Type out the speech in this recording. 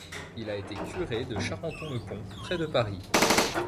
Il a été curé de Charenton-le-Pont près de Paris.